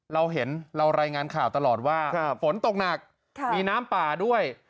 เราเห็นเรารายงานข่าวตลอดว่าฝนตกหนักมีน้ำป่าด้วย